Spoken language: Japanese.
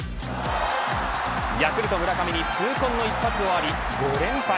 ヤクルト村上に痛恨の一発を浴び５連敗